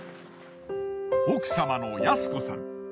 奥様の安子さん。